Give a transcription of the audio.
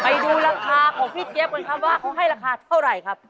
ไปดูราคาของพี่เจี๊ยบกันครับว่าเขาให้ราคาเท่าไหร่ครับ